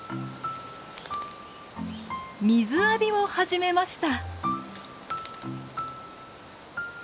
水浴びを始めました。